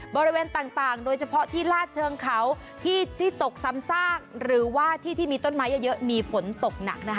บริเวณต่างโดยเฉพาะที่ลาดเชิงเขาที่ตกซ้ำซากหรือว่าที่ที่มีต้นไม้เยอะมีฝนตกหนักนะคะ